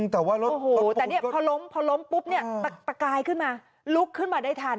แต่เนี่ยพอล้มปุ๊บเนี่ยตะกายขึ้นมาลุกขึ้นมาได้ทัน